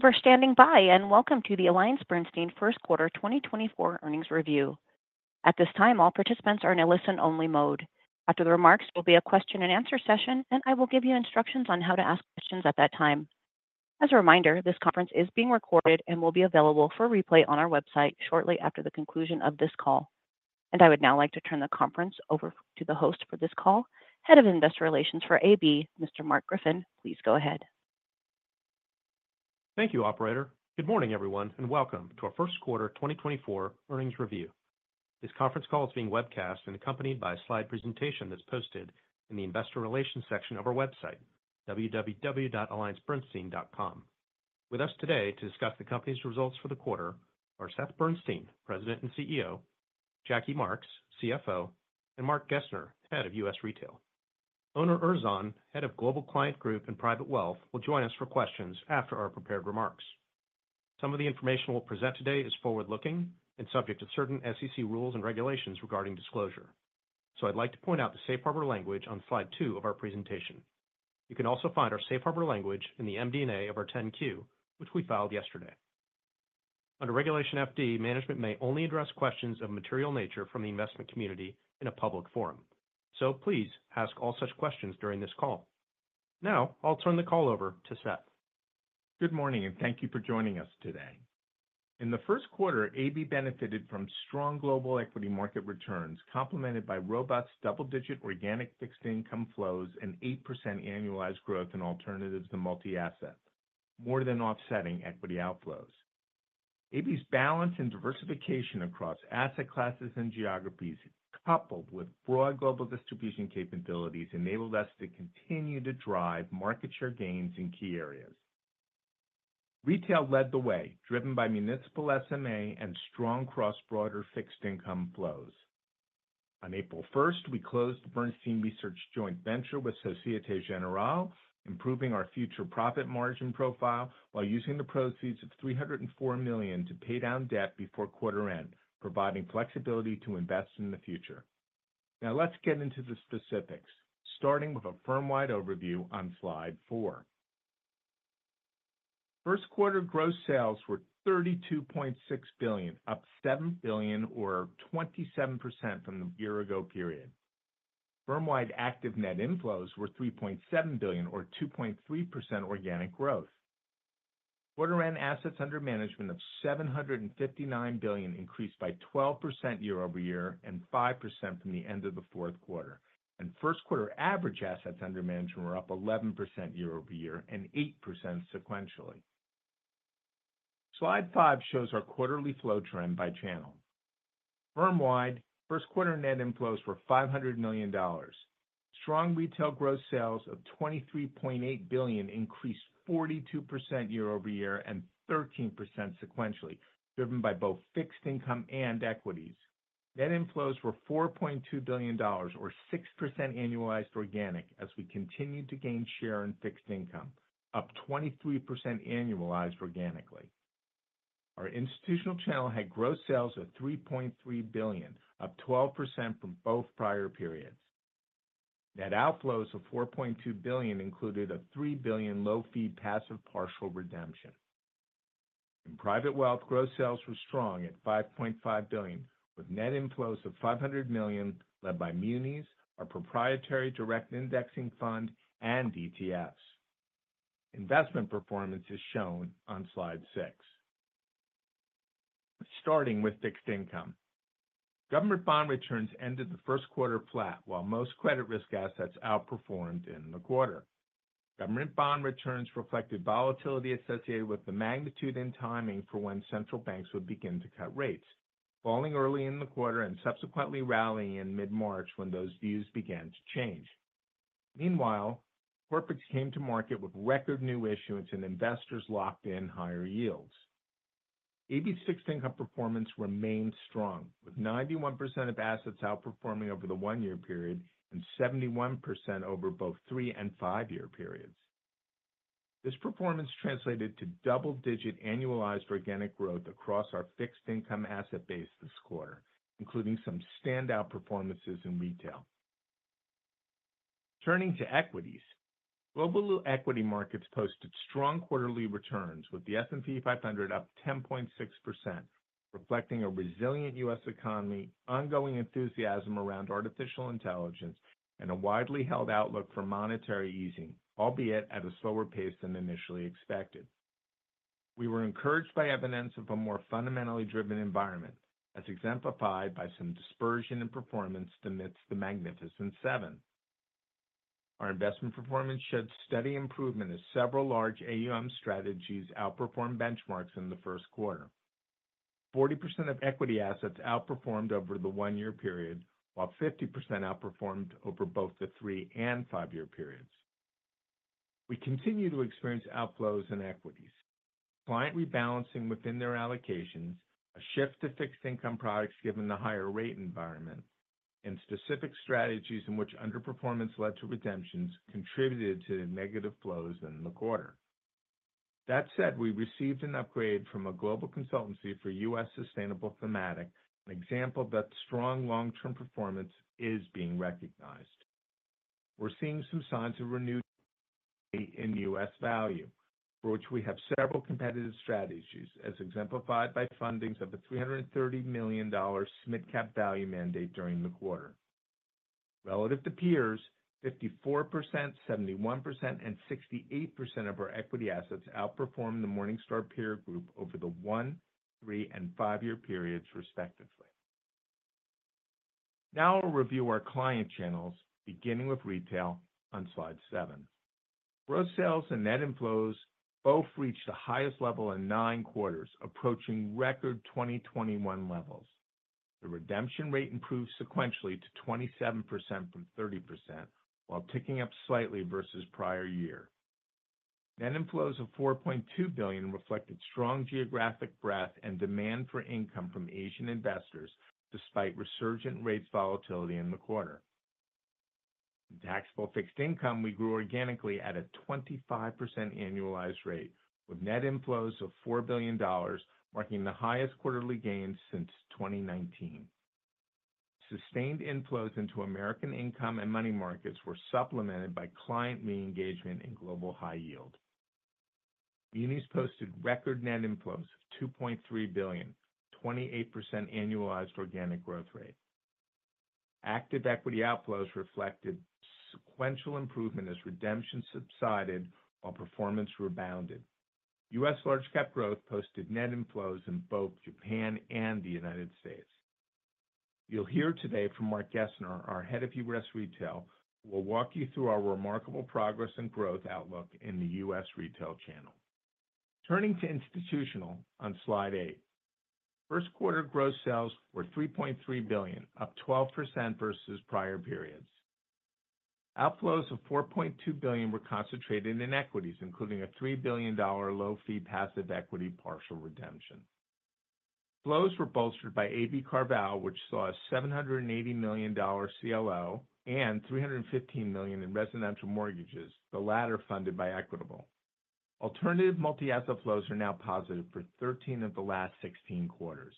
Thank you for standing by and welcome to the AllianceBernstein first quarter 2024 earnings review. At this time, all participants are in a listen-only mode. After the remarks, there will be a question-and-answer session, and I will give you instructions on how to ask questions at that time. As a reminder, this conference is being recorded and will be available for replay on our website shortly after the conclusion of this call. I would now like to turn the conference over to the host for this call, Head of investor relations for AB, Mr. Mark Griffin. Please go ahead. Thank you, operator. Good morning, everyone, and welcome to our first quarter 2024 earnings review. This conference call is being webcast and accompanied by a slide presentation that's posted in the investor relations section of our website, www.alliancebernstein.com. With us today to discuss the company's results for the quarter are Seth Bernstein, President and CEO; Jacqueline Marks, CFO; and Mark Gessner, Head of U.S. Retail. Onur Erzan, Head of Global Client Group and Private Wealth, will join us for questions after our prepared remarks. Some of the information we'll present today is forward-looking and subject to certain SEC rules and regulations regarding disclosure, so I'd like to point out the safe harbor language on slide two of our presentation. You can also find our safe harbor language in the MD&A of our 10Q, which we filed yesterday. Under Regulation FD, management may only address questions of material nature from the investment community in a public forum, so please ask all such questions during this call. Now I'll turn the call over to Seth. Good morning, and thank you for joining us today. In the first quarter, AB benefited from strong global equity market returns complemented by robust double-digit organic fixed income flows and 8% annualized growth in alternatives to multi-asset, more than offsetting equity outflows. AB's balance and diversification across asset classes and geographies, coupled with broad global distribution capabilities, enabled us to continue to drive market share gains in key areas. Retail led the way, driven by municipal SMA and strong cross-border fixed income flows. On April 1st, we closed the Bernstein Research joint venture with Société Générale, improving our future profit margin profile while using the proceeds of $304 million to pay down debt before quarter-end, providing flexibility to invest in the future. Now let's get into the specifics, starting with a firmwide overview on slide four. First quarter gross sales were $32.6 billion, up $7 billion or 27% from the year-ago period. Firmwide active net inflows were $3.7 billion or 2.3% organic growth. Quarter-end assets under management of $759 billion increased by 12% year-over-year and 5% from the end of the fourth quarter, and first quarter average assets under management were up 11% year-over-year and 8% sequentially. Slide five shows our quarterly flow trend by channel. Firmwide, first quarter net inflows were $500 million. Strong retail gross sales of $23.8 billion increased 42% year-over-year and 13% sequentially, driven by both fixed income and equities. Net inflows were $4.2 billion or 6% annualized organic as we continued to gain share in fixed income, up 23% annualized organically. Our institutional channel had gross sales of $3.3 billion, up 12% from both prior periods. Net outflows of $4.2 billion included a $3 billion low-fee passive partial redemption. In private wealth, gross sales were strong at $5.5 billion, with net inflows of $500 million led by Munis, our proprietary direct indexing fund, and ETFs. Investment performance is shown on slide six. Starting with fixed income. Government bond returns ended the first quarter flat while most credit risk assets outperformed in the quarter. Government bond returns reflected volatility associated with the magnitude and timing for when central banks would begin to cut rates, falling early in the quarter and subsequently rallying in mid-March when those views began to change. Meanwhile, corporates came to market with record new issuance and investors locked in higher yields. AB's fixed income performance remained strong, with 91% of assets outperforming over the one-year period and 71% over both three- and five-year periods. This performance translated to double-digit annualized organic growth across our fixed income asset base this quarter, including some standout performances in retail. Turning to equities, global equity markets posted strong quarterly returns, with the S&P 500 up 10.6%, reflecting a resilient U.S. economy, ongoing enthusiasm around artificial intelligence, and a widely held outlook for monetary easing, albeit at a slower pace than initially expected. We were encouraged by evidence of a more fundamentally driven environment, as exemplified by some dispersion in performance amidst the Magnificent Seven. Our investment performance showed steady improvement as several large AUM strategies outperformed benchmarks in the first quarter. 40% of equity assets outperformed over the one-year period, while 50% outperformed over both the three- and five-year periods. We continue to experience outflows in equities: client rebalancing within their allocations, a shift to fixed income products given the higher rate environment, and specific strategies in which underperformance led to redemptions contributed to negative flows in the quarter. That said, we received an upgrade from a global consultancy for U.S. sustainable thematic, an example that strong long-term performance is being recognized. We're seeing some signs of renewed value in U.S. value, for which we have several competitive strategies, as exemplified by fundings of a $330 million SMID cap value mandate during the quarter. Relative to peers, 54%, 71%, and 68% of our equity assets outperformed the Morningstar peer group over the one, three-, and five-year periods, respectively. Now I'll review our client channels, beginning with retail on slide seven. Gross sales and net inflows both reached the highest level in nine quarters, approaching record 2021 levels. The redemption rate improved sequentially to 27% from 30%, while ticking up slightly versus prior year. Net inflows of $4.2 billion reflected strong geographic breadth and demand for income from Asian investors despite resurgent rate volatility in the quarter. In taxable fixed income, we grew organically at a 25% annualized rate, with net inflows of $4 billion marking the highest quarterly gains since 2019. Sustained inflows into American Income and money markets were supplemented by client re-engagement and global high yield. Munis posted record net inflows of $2.3 billion, 28% annualized organic growth rate. Active equity outflows reflected sequential improvement as redemption subsided while performance rebounded. U.S. Large Cap Growth posted net inflows in both Japan and the United States. You'll hear today from Mark Gessner, our Head of U.S. Retail, who will walk you through our remarkable progress and growth outlook in the U.S. retail channel. Turning to institutional on slide eight. First quarter gross sales were $3.3 billion, up 12% versus prior periods. Outflows of $4.2 billion were concentrated in equities, including a $3 billion low-fee passive equity partial redemption. Flows were bolstered by AB CarVal, which saw a $780 million CLO and $315 million in residential mortgages, the latter funded by Equitable. Alternative multi-asset flows are now positive for 13 of the last 16 quarters.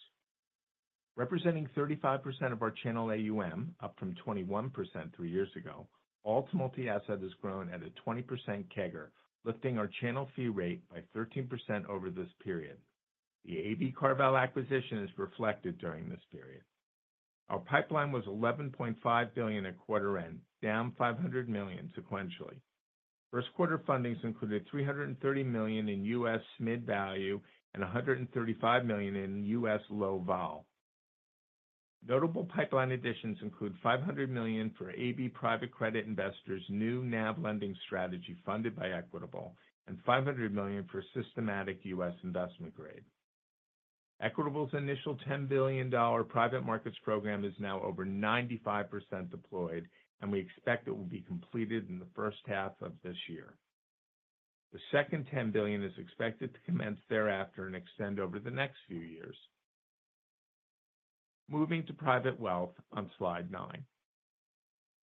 Representing 35% of our channel AUM, up from 21% three years ago, alt multi-asset has grown at a 20% CAGR, lifting our channel fee rate by 13% over this period. The AB CarVal acquisition is reflected during this period. Our pipeline was $11.5 billion at quarter-end, down $500 million sequentially. First quarter fundings included $330 million in U.S. SMID value and $135 million in U.S. Low Volatility. Notable pipeline additions include $500 million for AB Private Credit Investors' new NAV lending strategy funded by Equitable and $500 million for systematic U.S. investment grade. Equitable's initial $10 billion private markets program is now over 95% deployed, and we expect it will be completed in the first half of this year. The second $10 billion is expected to commence thereafter and extend over the next few years. Moving to private wealth on slide nine.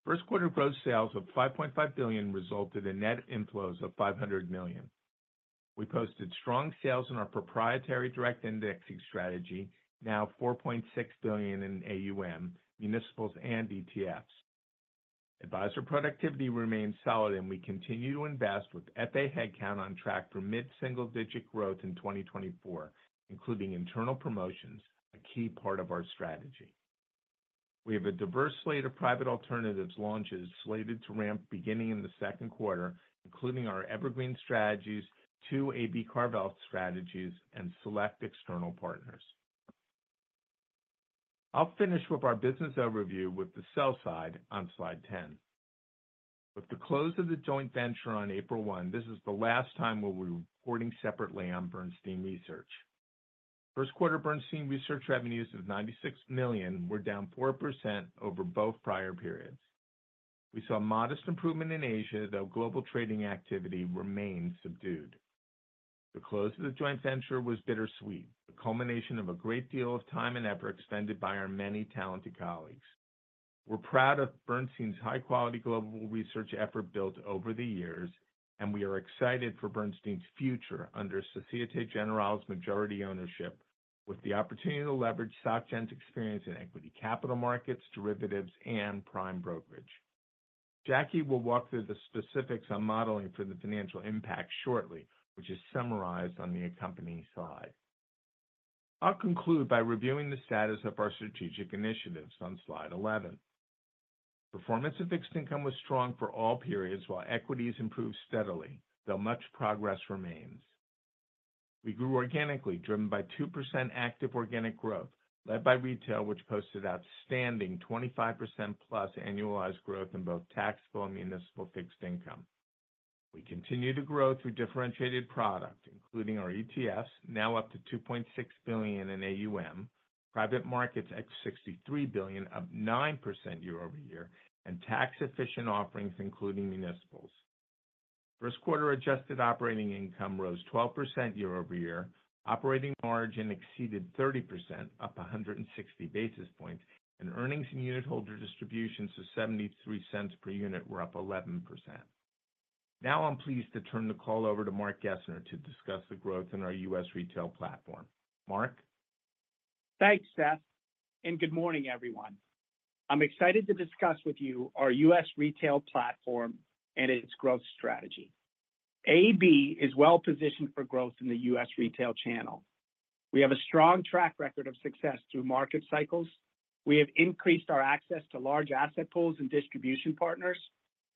First quarter gross sales of $5.5 billion resulted in net inflows of $500 million. We posted strong sales in our proprietary direct indexing strategy, now $4.6 billion in AUM, municipals, and ETFs. Advisor productivity remains solid, and we continue to invest with FA headcount on track for mid-single-digit growth in 2024, including internal promotions, a key part of our strategy. We have a diverse slate of private alternatives launched slated to ramp beginning in the second quarter, including our evergreen strategies, two AB CarVal strategies, and select external partners. I'll finish with our business overview with the sell side on slide 10. With the close of the joint venture on April 1, this is the last time we'll be reporting separately on Bernstein Research. First quarter Bernstein Research revenues of $96 million were down 4% over both prior periods. We saw modest improvement in Asia, though global trading activity remained subdued. The close of the joint venture was bittersweet, the culmination of a great deal of time and effort expended by our many talented colleagues. We're proud of Bernstein's high-quality global research effort built over the years, and we are excited for Bernstein's future under Société Générale's majority ownership, with the opportunity to leverage SocGen's experience in equity capital markets, derivatives, and prime brokerage. Jacqueline will walk through the specifics on modeling for the financial impact shortly, which is summarized on the accompanying slide. I'll conclude by reviewing the status of our strategic initiatives on slide 11. Performance of fixed income was strong for all periods, while equities improved steadily, though much progress remains. We grew organically, driven by 2% active organic growth, led by retail, which posted outstanding 25%+ annualized growth in both taxable and municipal fixed income. We continue to grow through differentiated product, including our ETFs, now up to $2.6 billion in AUM, private markets at $63 billion, up 9% year-over-year, and tax-efficient offerings, including municipals. First quarter adjusted operating income rose 12% year-over-year. Operating margin exceeded 30%, up 160 basis points, and earnings and unitholder distributions of $0.73 per unit were up 11%. Now I'm pleased to turn the call over to Mark Gessner to discuss the growth in our U.S. retail platform. Mark? Thanks, Seth, and good morning, everyone. I'm excited to discuss with you our U.S. Retail platform and its growth strategy. AB is well-positioned for growth in the U.S. retail channel. We have a strong track record of success through market cycles. We have increased our access to large asset pools and distribution partners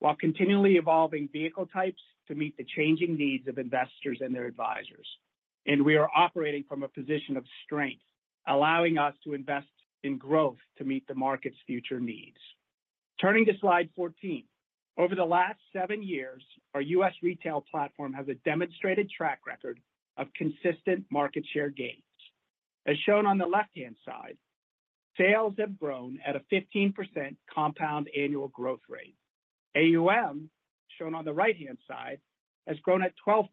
while continually evolving vehicle types to meet the changing needs of investors and their advisors. We are operating from a position of strength, allowing us to invest in growth to meet the market's future needs. Turning to slide 14. Over the last seven years, our U.S. retail platform has a demonstrated track record of consistent market share gains. As shown on the left-hand side, sales have grown at a 15% compound annual growth rate. AUM, shown on the right-hand side, has grown at a 12%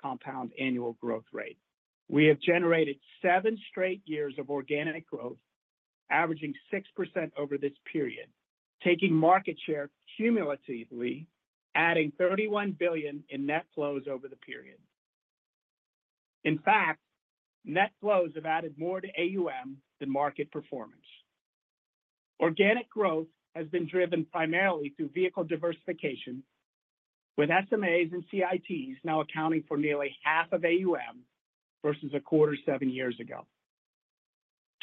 compound annual growth rate. We have generated seven straight years of organic growth, averaging 6% over this period, taking market share cumulatively, adding $31 billion in net flows over the period. In fact, net flows have added more to AUM than market performance. Organic growth has been driven primarily through vehicle diversification, with SMAs and CITs now accounting for nearly half of AUM versus a quarter seven years ago.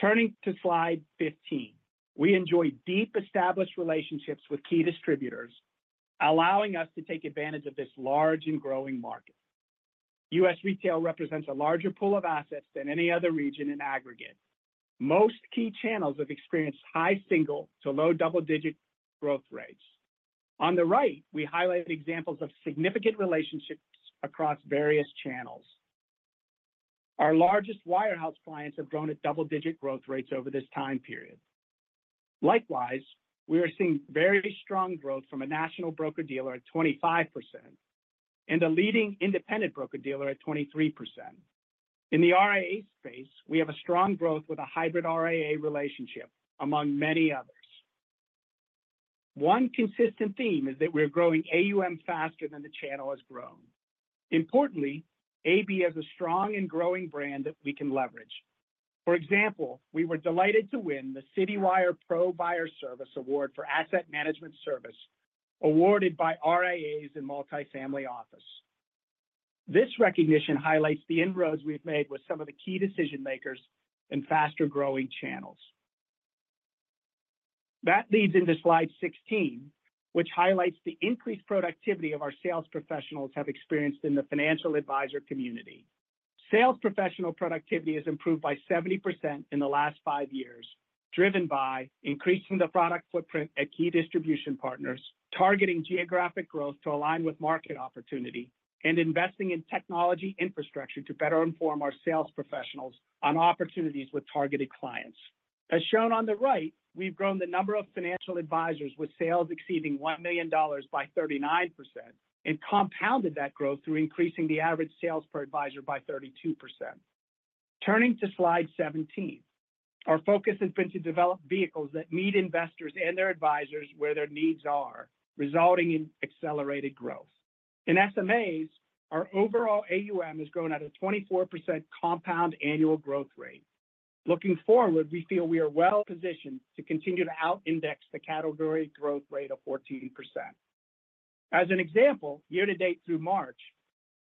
Turning to slide 15. We enjoy deep established relationships with key distributors, allowing us to take advantage of this large and growing market. U.S. retail represents a larger pool of assets than any other region in aggregate. Most key channels have experienced high single to low double-digit growth rates. On the right, we highlight examples of significant relationships across various channels. Our largest wirehouse clients have grown at double-digit growth rates over this time period. Likewise, we are seeing very strong growth from a national broker-dealer at 25% and a leading independent broker-dealer at 23%. In the RIA space, we have a strong growth with a hybrid RIA relationship, among many others. One consistent theme is that we're growing AUM faster than the channel has grown. Importantly, AB has a strong and growing brand that we can leverage. For example, we were delighted to win the Citywire Pro Buyer Service Award for Asset Management Service, awarded by RIAs in Multifamily Office. This recognition highlights the inroads we've made with some of the key decision-makers in faster-growing channels. That leads into slide 16, which highlights the increased productivity our sales professionals have experienced in the financial advisor community. Sales professional productivity has improved by 70% in the last five years, driven by increasing the product footprint at key distribution partners, targeting geographic growth to align with market opportunity, and investing in technology infrastructure to better inform our sales professionals on opportunities with targeted clients. As shown on the right, we've grown the number of financial advisors with sales exceeding $1 million by 39% and compounded that growth through increasing the average sales per advisor by 32%. Turning to slide 17. Our focus has been to develop vehicles that meet investors and their advisors where their needs are, resulting in accelerated growth. In SMAs, our overall AUM has grown at a 24% compound annual growth rate. Looking forward, we feel we are well-positioned to continue to out-index the category growth rate of 14%. As an example, year-to-date through March,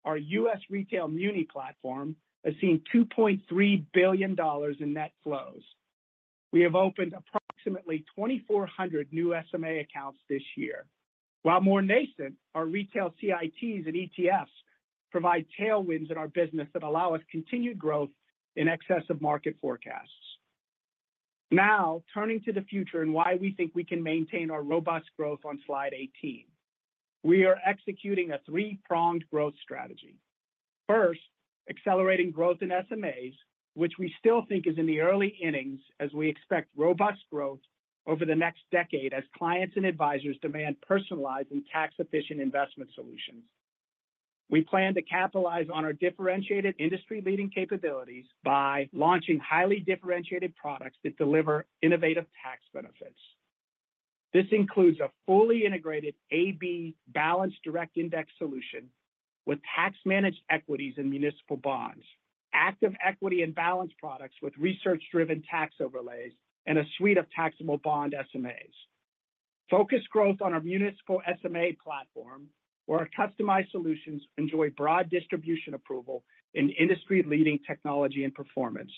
our U.S. Retail muni platform has seen $2.3 billion in net flows. We have opened approximately 2,400 new SMA accounts this year, while more nascent, our retail CITs and ETFs provide tailwinds in our business that allow us continued growth in excess of market forecasts. Now, turning to the future and why we think we can maintain our robust growth on slide 18. We are executing a three-pronged growth strategy. First, accelerating growth in SMAs, which we still think is in the early innings as we expect robust growth over the next decade as clients and advisors demand personalized and tax-efficient investment solutions. We plan to capitalize on our differentiated industry-leading capabilities by launching highly differentiated products that deliver innovative tax benefits. This includes a fully integrated AB balanced direct index solution with tax-managed equities and municipal bonds, active equity and balance products with research-driven tax overlays, and a suite of taxable bond SMAs. Focus growth on our municipal SMA platform, where our customized solutions enjoy broad distribution approval in industry-leading technology and performance,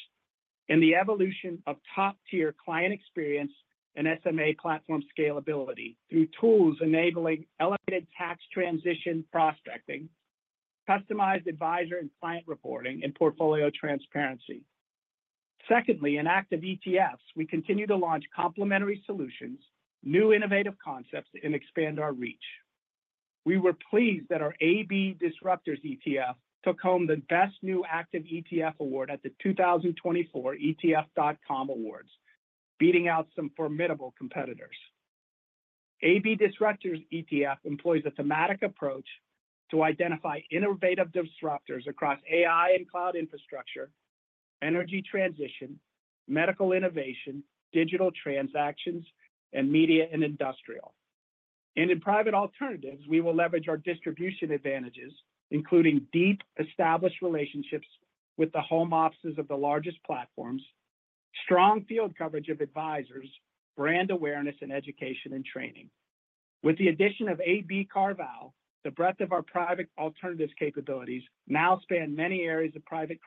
and the evolution of top-tier client experience and SMA platform scalability through tools enabling elevated tax transition prospecting, customized advisor and client reporting, and portfolio transparency. Secondly, in active ETFs, we continue to launch complementary solutions, new innovative concepts, and expand our reach. We were pleased that our AB Disruptors ETF took home the best new active ETF award at the 2024 ETF.com Awards, beating out some formidable competitors. AB Disruptors ETF employs a thematic approach to identify innovative disruptors across AI and cloud infrastructure, energy transition, medical innovation, digital transactions, and media and industrial. In private alternatives, we will leverage our distribution advantages, including deep established relationships with the home offices of the largest platforms, strong field coverage of advisors, brand awareness, and education and training. With the addition of AB CarVal, the breadth of our private alternatives capabilities now span many areas of private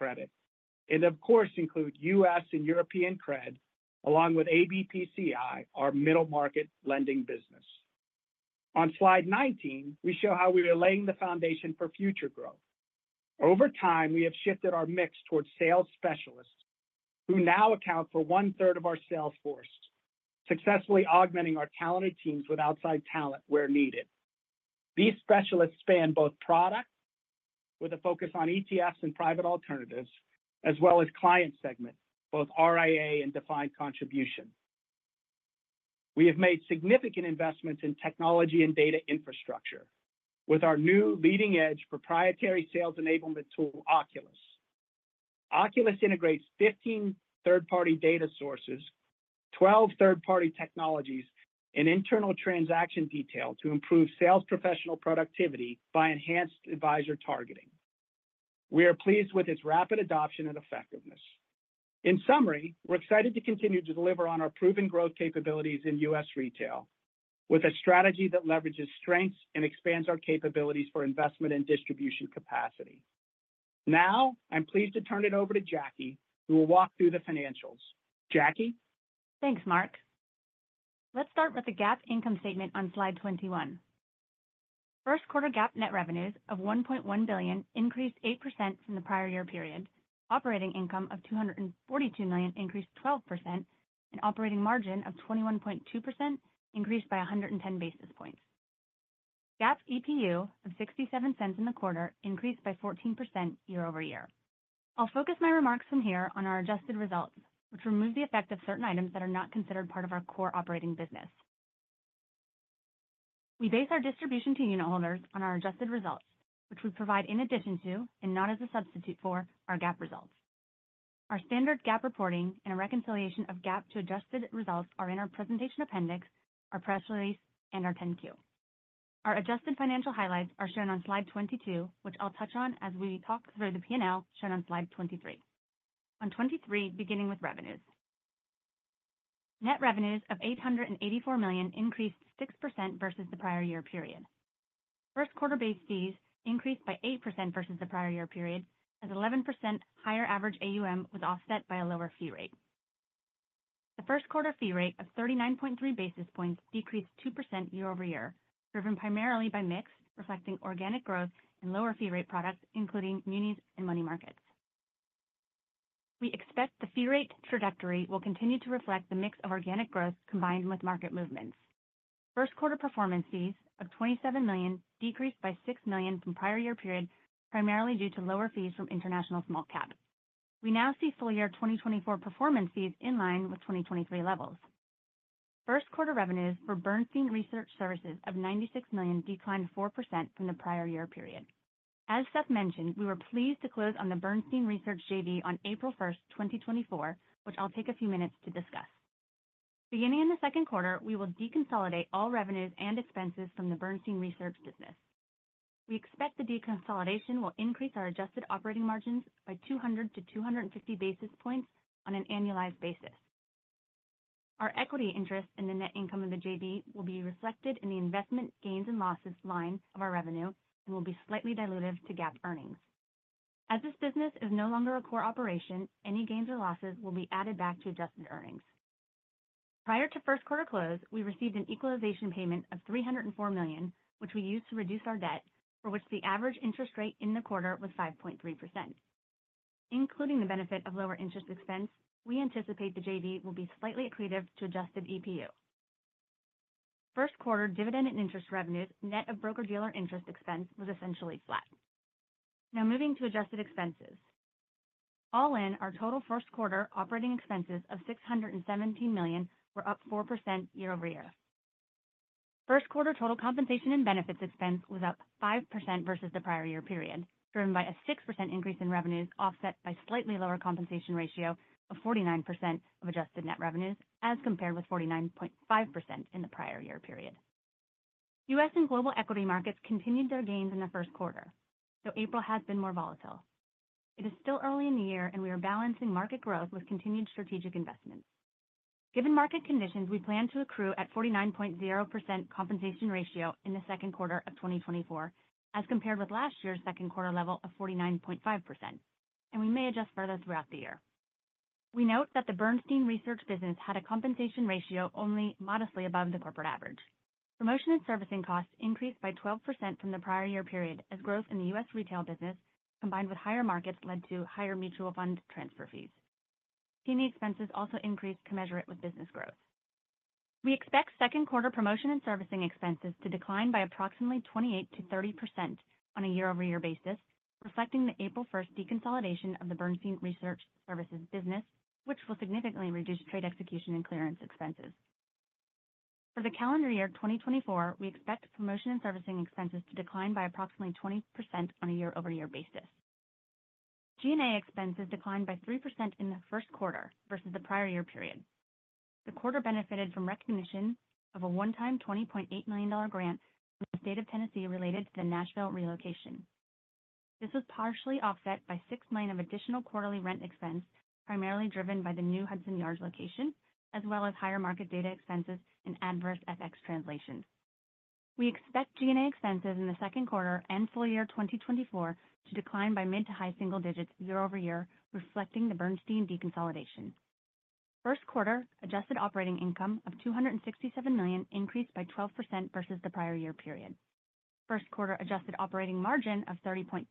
credit and, of course, include U.S. and European credit, along with ABPCI, our middle-market lending business. On slide 19, we show how we are laying the foundation for future growth. Over time, we have shifted our mix towards sales specialists who now account for one-third of our sales force, successfully augmenting our talented teams with outside talent where needed. These specialists span both product, with a focus on ETFs and private alternatives, as well as client segment, both RIA and defined contribution. We have made significant investments in technology and data infrastructure with our new leading-edge proprietary sales enablement tool, Abacus. Abacus integrates 15 third-party data sources, 12 third-party technologies, and internal transaction detail to improve sales professional productivity by enhanced advisor targeting. We are pleased with its rapid adoption and effectiveness. In summary, we're excited to continue to deliver on our proven growth capabilities in U.S. retail with a strategy that leverages strengths and expands our capabilities for investment and distribution capacity. Now, I'm pleased to turn it over to Jacqueline, who will walk through the financials. Jacqueline? Thanks, Mark. Let's start with the GAAP income statement on slide 21. First quarter GAAP net revenues of $1.1 billion increased 8% from the prior year period, operating income of $242 million increased 12%, and operating margin of 21.2% increased by 110 basis points. GAAP EPU of $0.67 in the quarter increased by 14% year-over-year. I'll focus my remarks from here on our adjusted results, which remove the effect of certain items that are not considered part of our core operating business. We base our distribution to unit holders on our adjusted results, which we provide in addition to and not as a substitute for our GAAP results. Our standard GAAP reporting and a reconciliation of GAAP to adjusted results are in our presentation appendix, our press release, and our 10Q. Our adjusted financial highlights are shown on slide 22, which I'll touch on as we talk through the P&L shown on slide 23. On 23, beginning with revenues. Net revenues of $884 million increased 6% versus the prior year period. First quarter base fees increased by 8% versus the prior year period, as 11% higher average AUM was offset by a lower fee rate. The first quarter fee rate of 39.3 basis points decreased 2% year-over-year, driven primarily by mix, reflecting organic growth and lower fee rate products, including MUNIs and money markets. We expect the fee rate trajectory will continue to reflect the mix of organic growth combined with market movements. First quarter performance fees of $27 million decreased by $6 million from the prior year period, primarily due to lower fees from international small cap. We now see full-year 2024 performance fees in line with 2023 levels. First quarter revenues for Bernstein Research Services of $96 million declined 4% from the prior year period. As Steph mentioned, we were pleased to close on the Bernstein Research JV on April 1st, 2024, which I'll take a few minutes to discuss. Beginning in the second quarter, we will deconsolidate all revenues and expenses from the Bernstein Research business. We expect the deconsolidation will increase our adjusted operating margins by 200-250 basis points on an annualized basis. Our equity interest in the net income of the JV will be reflected in the investment gains and losses line of our revenue and will be slightly diluted to GAAP earnings. As this business is no longer a core operation, any gains or losses will be added back to adjusted earnings. Prior to first quarter close, we received an equalization payment of $304 million, which we used to reduce our debt, for which the average interest rate in the quarter was 5.3%. Including the benefit of lower interest expense, we anticipate the JV will be slightly accretive to adjusted EPU. First quarter dividend and interest revenues net of broker-dealer interest expense was essentially flat. Now moving to adjusted expenses. All in, our total first quarter operating expenses of $617 million were up 4% year-over-year. First quarter total compensation and benefits expense was up 5% versus the prior year period, driven by a 6% increase in revenues offset by a slightly lower compensation ratio of 49% of adjusted net revenues as compared with 49.5% in the prior year period. U.S. and global equity markets continued their gains in the first quarter, though April has been more volatile. It is still early in the year, and we are balancing market growth with continued strategic investments. Given market conditions, we plan to accrue at 49.0% compensation ratio in the second quarter of 2024 as compared with last year's second quarter level of 49.5%, and we may adjust further throughout the year. We note that the Bernstein Research business had a compensation ratio only modestly above the corporate average. Promotion and servicing costs increased by 12% from the prior year period as growth in the U.S. retail business combined with higher markets led to higher mutual fund transfer fees. Teammate expenses also increased commensurate with business growth. We expect second quarter promotion and servicing expenses to decline by approximately 28%-30% on a year-over-year basis, reflecting the April 1st deconsolidation of the Bernstein Research Services business, which will significantly reduce trade execution and clearance expenses. For the calendar year 2024, we expect promotion and servicing expenses to decline by approximately 20% on a year-over-year basis. G&A expenses declined by 3% in the first quarter versus the prior year period. The quarter benefited from recognition of a one-time $20.8 million grant from the state of Tennessee related to the Nashville relocation. This was partially offset by $6 million of additional quarterly rent expense primarily driven by the new Hudson Yards location, as well as higher market data expenses and adverse FX translations. We expect G&A expenses in the second quarter and full year 2024 to decline by mid to high single digits year-over-year, reflecting the Bernstein deconsolidation. First quarter adjusted operating income of $267 million increased by 12% versus the prior year period. First quarter adjusted operating margin of 30.3%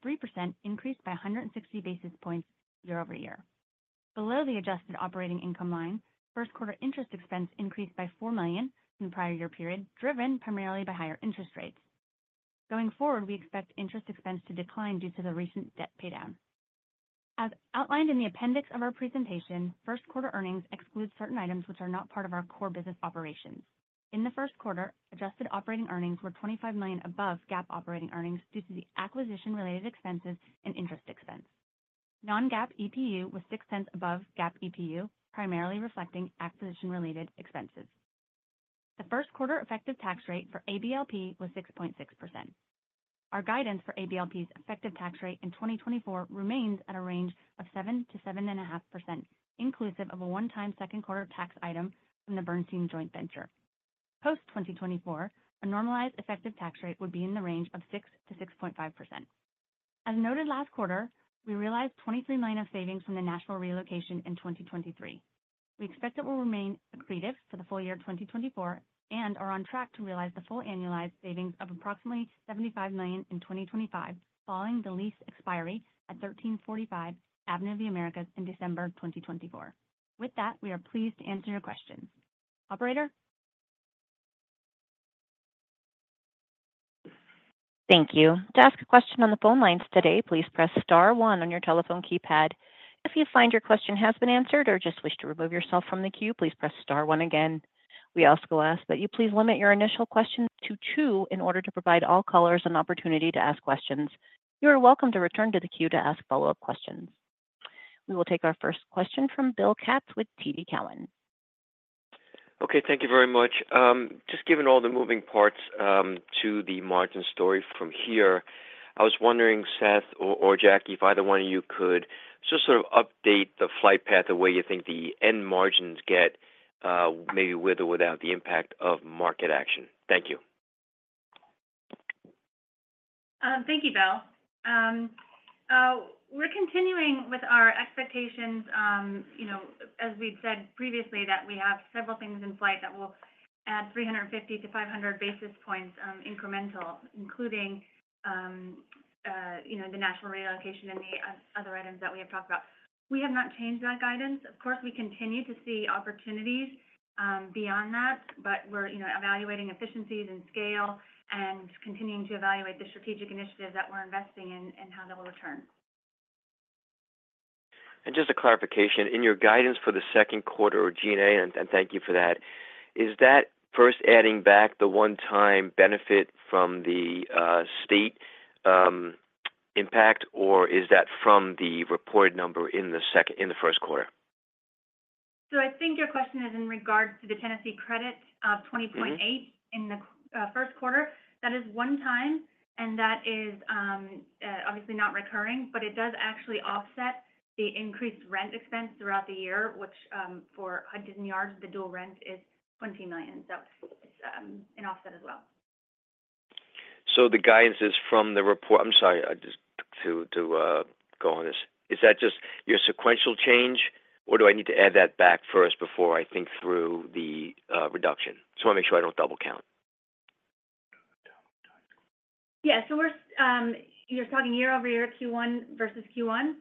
increased by 160 basis points year-over-year. Below the adjusted operating income line, first quarter interest expense increased by $4 million from the prior year period, driven primarily by higher interest rates. Going forward, we expect interest expense to decline due to the recent debt paydown. As outlined in the appendix of our presentation, first quarter earnings exclude certain items which are not part of our core business operations. In the first quarter, adjusted operating earnings were $25 million above GAAP operating earnings due to the acquisition-related expenses and interest expense. Non-GAAP EPU was $0.06 above GAAP EPU, primarily reflecting acquisition-related expenses. The first quarter effective tax rate for ABLP was 6.6%. Our guidance for ABLP's effective tax rate in 2024 remains at a range of 7%-7.5%, inclusive of a one-time second quarter tax item from the Bernstein joint venture. Post-2024, a normalized effective tax rate would be in the range of 6%-6.5%. As noted last quarter, we realized $23 million of savings from the Nashville relocation in 2023. We expect it will remain accretive for the full year 2024 and are on track to realize the full annualized savings of approximately $75 million in 2025, following the lease expiry at 1345 Avenue of the Americas in December 2024. With that, we are pleased to answer your questions. Operator? Thank you. To ask a question on the phone lines today, please press star one on your telephone keypad. If you find your question has been answered or just wish to remove yourself from the queue, please press star one again. We also ask that you please limit your initial questions to two in order to provide all callers an opportunity to ask questions. You are welcome to return to the queue to ask follow-up questions. We will take our first question from Bill Katz with TD Cowen. Okay. Thank you very much. Just given all the moving parts to the margin story from here, I was wondering, Seth or Jacqueline, if either one of you could just sort of update the flight path, the way you think the end margins get, maybe with or without the impact of market action? Thank you. Thank you, Bill. We're continuing with our expectations, as we'd said previously, that we have several things in flight that will add 350-500 basis points incremental, including the Nashville relocation and the other items that we have talked about. We have not changed that guidance. Of course, we continue to see opportunities beyond that, but we're evaluating efficiencies and scale and continuing to evaluate the strategic initiatives that we're investing in and how that will return. Just a clarification, in your guidance for the second quarter or G&A, and thank you for that, is that first adding back the one-time benefit from the state impact, or is that from the reported number in the first quarter? I think your question is in regards to the Tennessee credit of $20.8 million in the first quarter. That is one-time, and that is obviously not recurring, but it does actually offset the increased rent expense throughout the year, which for Hudson Yards, the dual rent is $20 million. It's an offset as well. So, the guidances from the report. I'm sorry, just to go on this. Is that just your sequential change, or do I need to add that back first before I think through the reduction? Just want to make sure I don't double-count. Yeah. So you're talking year-over-year Q1 versus Q1?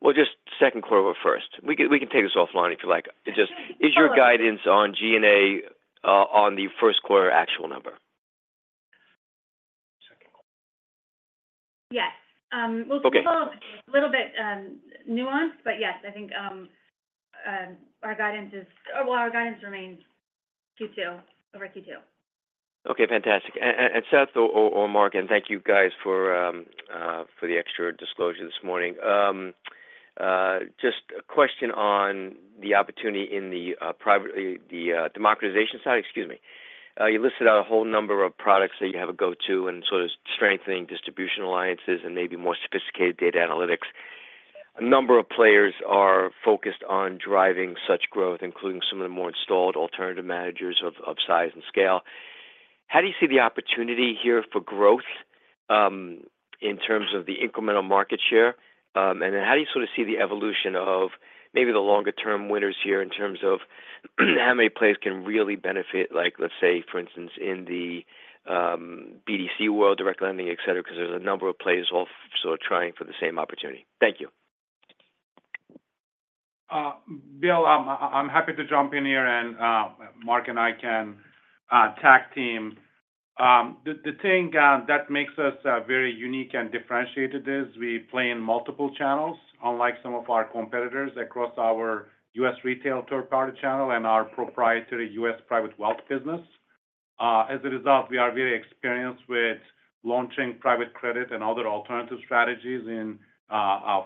Well, just second quarter or first. We can take this offline if you like. Is your guidance on G&A on the first quarter actual number? Yes. We'll keep a little bit nuanced, but yes, I think our guidance is well, our guidance remains Q2 over Q2. Okay. Fantastic. And Seth or Mark, and thank you guys for the extra disclosure this morning. Just a question on the opportunity in the democratization side - excuse me - you listed out a whole number of products that you have a go-to in sort of strengthening distribution alliances and maybe more sophisticated data analytics. A number of players are focused on driving such growth, including some of the more installed alternative managers of size and scale. How do you see the opportunity here for growth in terms of the incremental market share? And then how do you sort of see the evolution of maybe the longer-term winners here in terms of how many players can really benefit, let's say, for instance, in the BDC world, direct lending, etc., because there's a number of players all sort of trying for the same opportunity? Thank you. Bill, I'm happy to jump in here, and Mark and I can tag team. The thing that makes us very unique and differentiated is we play in multiple channels, unlike some of our competitors across our U.S. retail third-party channel and our proprietary U.S. private wealth business. As a result, we are very experienced with launching private credit and other alternative strategies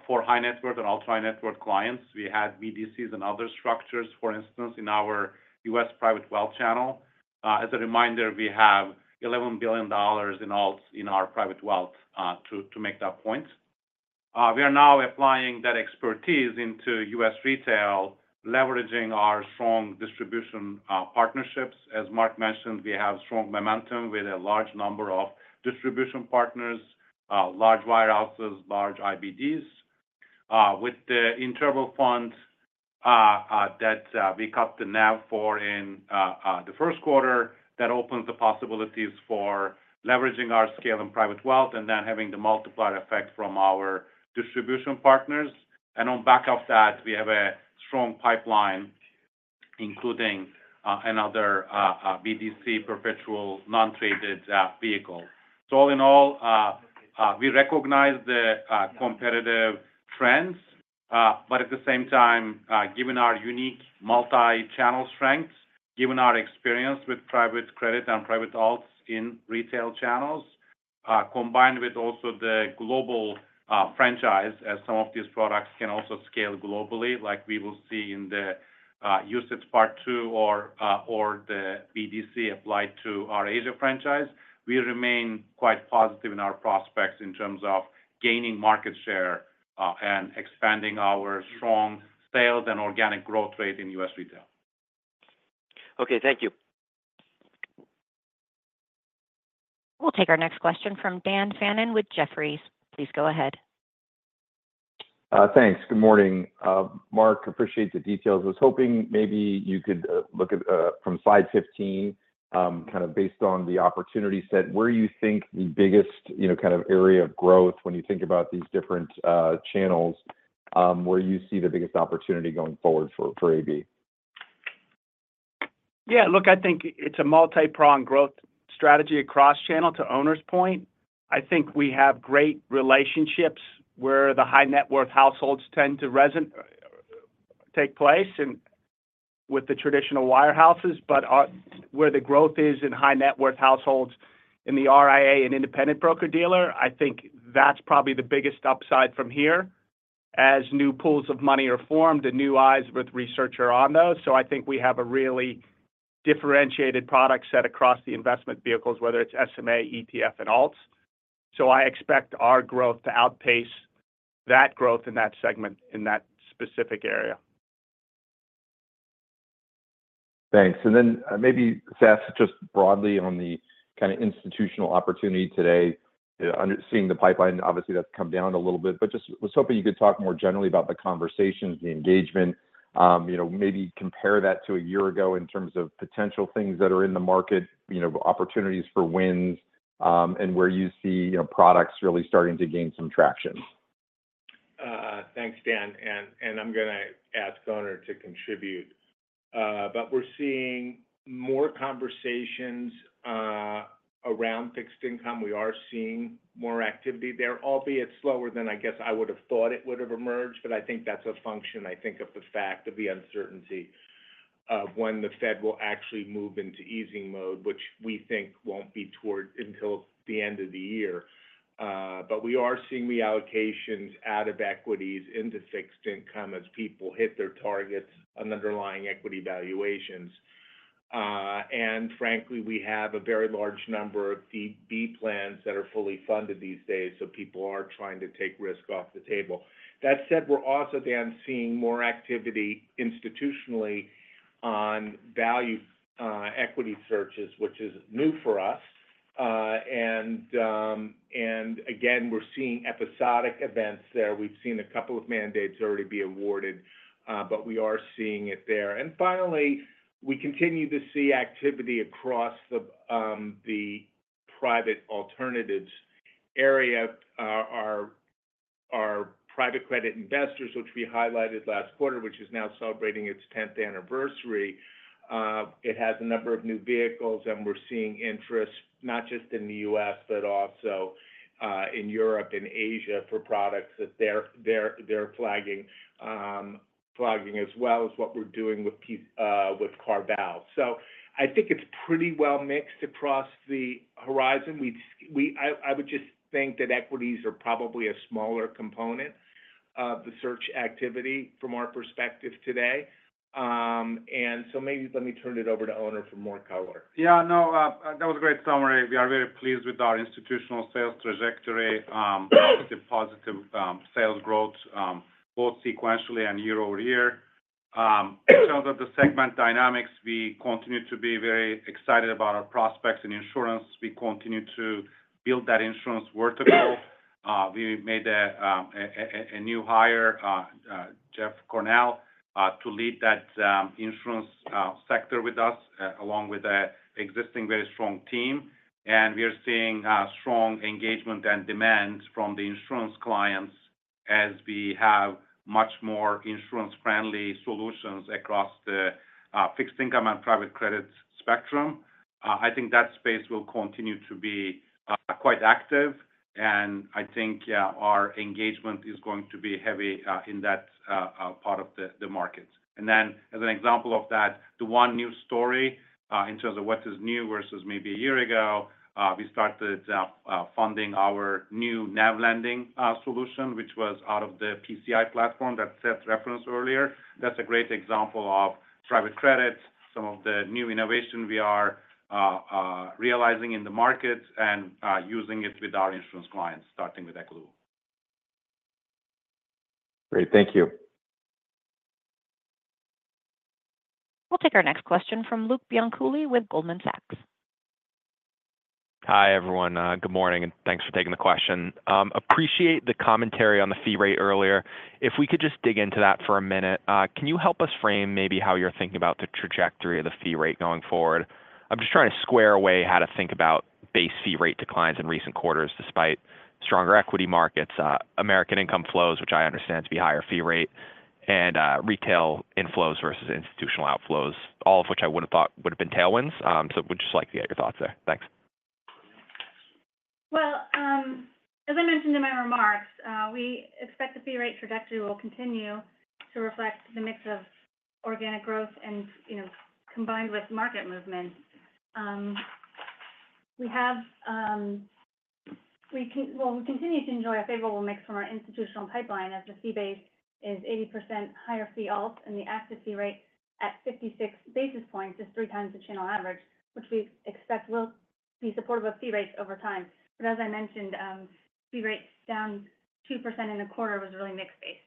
for high net worth and ultra-high net worth clients. We had BDCs and other structures, for instance, in our U.S. private wealth channel. As a reminder, we have $11 billion in alts in our private wealth to make that point. We are now applying that expertise into U.S. retail, leveraging our strong distribution partnerships. As Mark mentioned, we have strong momentum with a large number of distribution partners, large wholesalers, large IBDs. With the interval fund that we cut the NAV for in the first quarter, that opens the possibilities for leveraging our scale and private wealth and then having the multiplier effect from our distribution partners. And on back of that, we have a strong pipeline, including another BDC perpetual non-traded vehicle. So all in all, we recognize the competitive trends, but at the same time, given our unique multi-channel strength, given our experience with private credit and private alts in retail channels, combined with also the global franchise, as some of these products can also scale globally, like we will see in the UCITS part two or the BDC applied to our Asia franchise, we remain quite positive in our prospects in terms of gaining market share and expanding our strong sales and organic growth rate in U.S. retail. Okay. Thank you. We'll take our next question from Dan Fannon with Jefferies. Please go ahead. Thanks. Good morning, Mark. Appreciate the details. I was hoping maybe you could look at from slide 15, kind of based on the opportunity set, where you think the biggest kind of area of growth when you think about these different channels, where you see the biggest opportunity going forward for AB? Yeah. Look, I think it's a multi-pronged growth strategy across channel. To Onur's point, I think we have great relationships where the high-net-worth households tend to take place with the traditional wirehouses. But where the growth is in high-net-worth households in the RIA and independent broker-dealer, I think that's probably the biggest upside from here as new pools of money are formed and new IAs with research are on those. So I think we have a really differentiated product set across the investment vehicles, whether it's SMA, ETF, and alts. So I expect our growth to outpace that growth in that segment in that specific area. Thanks. And then maybe, Seth, just broadly on the kind of institutional opportunity today, seeing the pipeline, obviously, that's come down a little bit, but just was hoping you could talk more generally about the conversations, the engagement, maybe compare that to a year ago in terms of potential things that are in the market, opportunities for wins, and where you see products really starting to gain some traction? Thanks, Dan. And I'm going to ask Onur to contribute. But we're seeing more conversations around fixed income. We are seeing more activity there, albeit slower than, I guess, I would have thought it would have emerged. But I think that's a function, I think, of the fact of the uncertainty of when the Fed will actually move into easing mode, which we think won't be until toward the end of the year. But we are seeing reallocations out of equities into fixed income as people hit their targets, underlying equity valuations. And frankly, we have a very large number of DB plans that are fully funded these days, so people are trying to take risk off the table. That said, we're also, Dan, seeing more activity institutionally on value equity searches, which is new for us. And again, we're seeing episodic events there. We've seen a couple of mandates already be awarded, but we are seeing it there. Finally, we continue to see activity across the private alternatives area. Our private credit investors, which we highlighted last quarter, which is now celebrating its 10th anniversary, it has a number of new vehicles, and we're seeing interest not just in the U.S. but also in Europe and Asia for products that they're flagging, as well as what we're doing with CarVal. So I think it's pretty well mixed across the horizon. I would just think that equities are probably a smaller component of the search activity from our perspective today. So maybe let me turn it over to Onur for more color. Yeah. No, that was a great summary. We are very pleased with our institutional sales trajectory, positive sales growth, both sequentially and year-over-year. In terms of the segment dynamics, we continue to be very excited about our prospects in insurance. We continue to build that insurance vertical. We made a new hire, Jeff Cornell, to lead that insurance sector with us, along with an existing very strong team. And we are seeing strong engagement and demand from the insurance clients as we have much more insurance-friendly solutions across the fixed income and private credit spectrum. I think that space will continue to be quite active, and I think our engagement is going to be heavy in that part of the market. And then as an example of that, the one new story in terms of what is new versus maybe a year ago, we started funding our new NAV lending solution, which was out of the PCI platform that Seth referenced earlier. That's a great example of private credit, some of the new innovation we are realizing in the market, and using it with our insurance clients, starting with Equitable. Great. Thank you. We'll take our next question from Luke Bianculli with Goldman Sachs. Hi, everyone. Good morning, and thanks for taking the question. Appreciate the commentary on the fee rate earlier. If we could just dig into that for a minute, can you help us frame maybe how you're thinking about the trajectory of the fee rate going forward? I'm just trying to square away how to think about base fee rate declines in recent quarters despite stronger equity markets, American Income flows, which I understand to be higher fee rate, and retail inflows versus institutional outflows, all of which I would have thought would have been tailwinds. So would just like to get your thoughts there. Thanks. Well, as I mentioned in my remarks, we expect the fee rate trajectory will continue to reflect the mix of organic growth combined with market movement. Well, we continue to enjoy a favorable mix from our institutional pipeline as the fee base is 80% higher fee alts and the active fee rate at 56 basis points is three times the channel average, which we expect will be supportive of fee rates over time. But as I mentioned, fee rates down 2% in a quarter was really mix-based.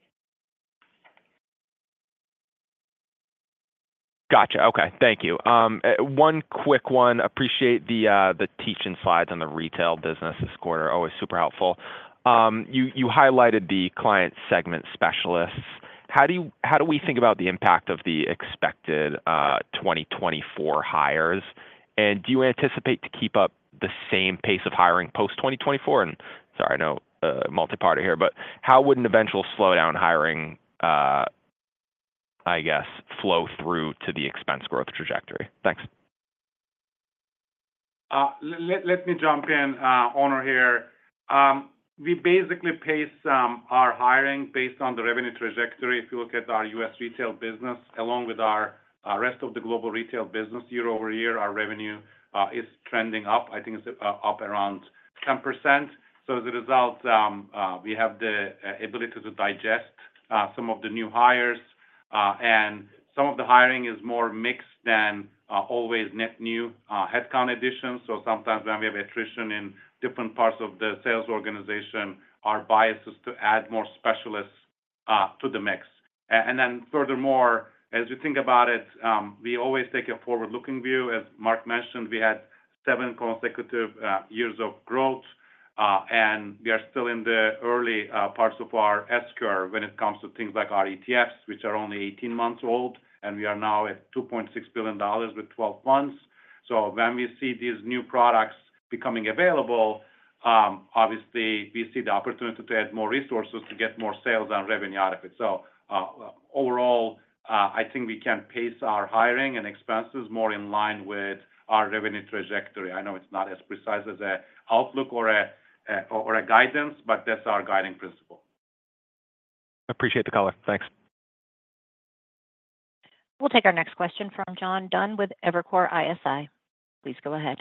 Gotcha. Okay. Thank you. One quick one. Appreciate the teaching slides on the retail business this quarter. Always super helpful. You highlighted the client segment specialists. How do we think about the impact of the expected 2024 hires? And do you anticipate to keep up the same pace of hiring post-2024? And sorry, I know multi-party here, but how would an eventual slowdown hiring, I guess, flow through to the expense growth trajectory? Thanks. Let me jump in, Onur, here. We basically pace our hiring based on the revenue trajectory. If you look at our U.S. retail business along with the rest of the global retail business, year-over-year, our revenue is trending up. I think it's up around 10%. So as a result, we have the ability to digest some of the new hires. And some of the hiring is more mixed than always net new headcount additions. So sometimes when we have attrition in different parts of the sales organization, our bias is to add more specialists to the mix. And then furthermore, as you think about it, we always take a forward-looking view. As Mark mentioned, we had seven consecutive years of growth, and we are still in the early parts of our S-curve when it comes to things like our ETFs, which are only 18 months old. We are now at $2.6 billion with 12 funds. When we see these new products becoming available, obviously, we see the opportunity to add more resources to get more sales and revenue out of it. Overall, I think we can pace our hiring and expenses more in line with our revenue trajectory. I know it's not as precise as an outlook or a guidance, but that's our guiding principle. Appreciate the color. Thanks. We'll take our next question from John Dunn with Evercore ISI. Please go ahead.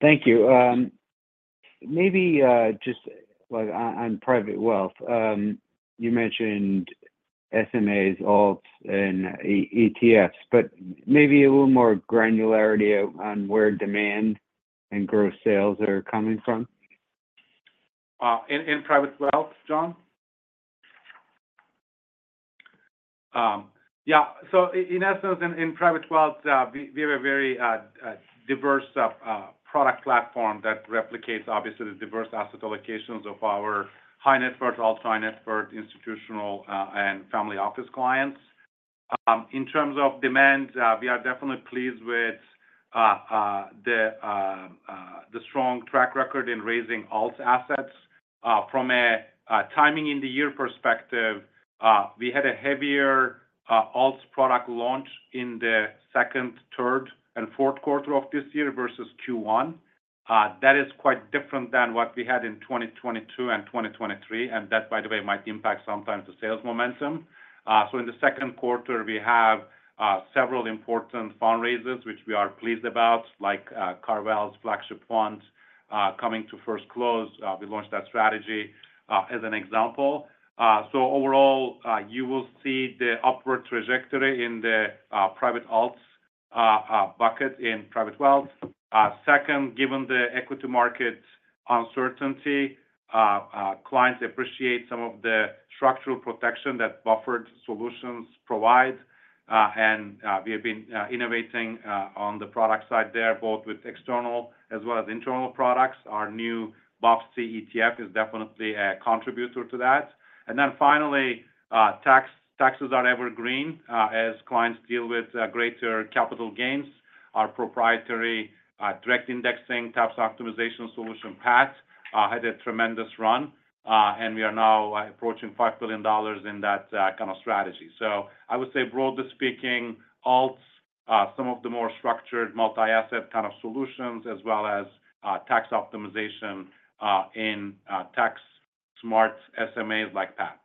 Thank you. Maybe just on private wealth, you mentioned SMAs, alts, and ETFs, but maybe a little more granularity on where demand and growth sales are coming from. In private wealth, John? Yeah. So in essence, in private wealth, we have a very diverse product platform that replicates, obviously, the diverse asset allocations of our high net worth, ultra-high net worth, institutional, and family office clients. In terms of demand, we are definitely pleased with the strong track record in raising alts assets. From a timing in the year perspective, we had a heavier alts product launch in the second, third, and fourth quarter of this year versus Q1. That is quite different than what we had in 2022 and 2023, and that, by the way, might impact sometimes the sales momentum. So in the second quarter, we have several important fundraisers, which we are pleased about, like CarVal's flagship fund coming to first close. We launched that strategy as an example. So overall, you will see the upward trajectory in the private alts bucket in private wealth. Second, given the equity market uncertainty, clients appreciate some of the structural protection that buffered solutions provide. We have been innovating on the product side there, both with external as well as internal products. Our new AB US Large Cap Buffer ETF is definitely a contributor to that. Then finally, taxes are evergreen as clients deal with greater capital gains. Our proprietary direct indexing tax optimization solution, PAT, had a tremendous run, and we are now approaching $5 billion in that kind of strategy. I would say, broadly speaking, alts, some of the more structured multi-asset kind of solutions, as well as tax optimization in tax-smart SMAs like PAT.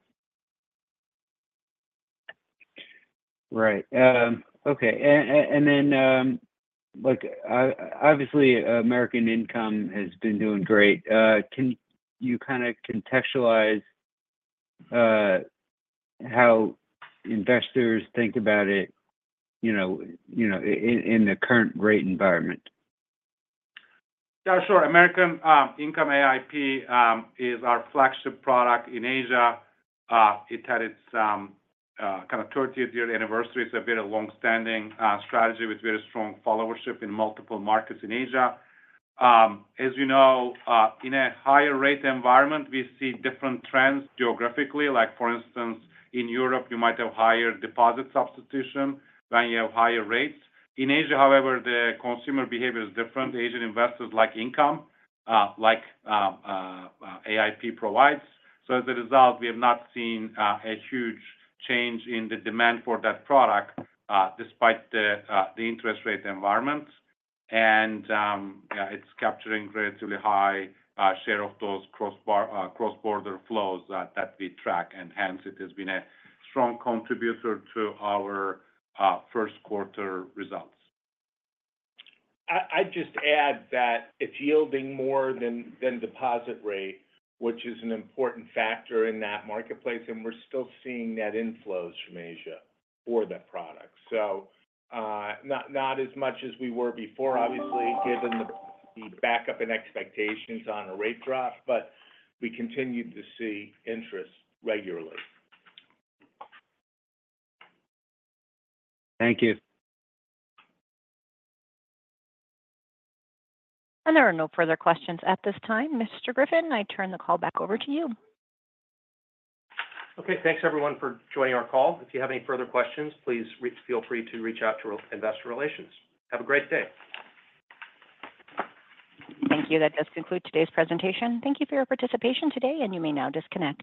Right. Okay. And then obviously, American Income has been doing great. Can you kind of contextualize how investors think about it in the current rate environment? Yeah. Sure. American Income AIP is our flagship product in Asia. It had its kind of 30th-year anniversary. It's a very longstanding strategy with very strong followership in multiple markets in Asia. As you know, in a higher rate environment, we see different trends geographically. For instance, in Europe, you might have higher deposit substitution when you have higher rates. In Asia, however, the consumer behavior is different. Asian investors like income like AIP provides. So as a result, we have not seen a huge change in the demand for that product despite the interest rate environment. And yeah, it's capturing a relatively high share of those cross-border flows that we track. And hence, it has been a strong contributor to our first quarter results. I'd just add that it's yielding more than deposit rate, which is an important factor in that marketplace. We're still seeing net inflows from Asia for that product, so not as much as we were before, obviously, given the backup and expectations on a rate drop. But we continue to see interest regularly. Thank you. There are no further questions at this time, Mr. Griffin. I turn the call back over to you. Okay. Thanks, everyone, for joining our call. If you have any further questions, please feel free to reach out to investor relations. Have a great day. Thank you. That does conclude today's presentation. Thank you for your participation today, and you may now disconnect.